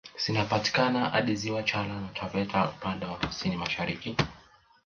Zinapatikana hadi ziwa Chala na Taveta upande wa kusini mashariki